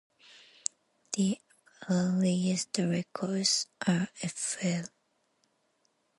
The earliest records are fl.